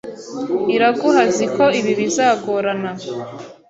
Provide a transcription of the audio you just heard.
Iraguha azi ko ibi bizagorana.